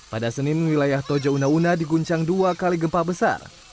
pada senin wilayah toja una una diguncang dua kali gempa besar